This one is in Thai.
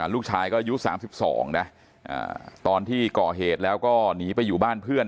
ลูกชายก็อายุ๓๒นะตอนที่ก่อเหตุแล้วก็หนีไปอยู่บ้านเพื่อน